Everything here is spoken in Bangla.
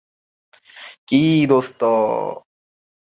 কি, দোস্ত!